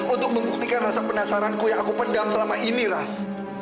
untuk membuktikan rasa penasaranku yang aku pendam selama ini ras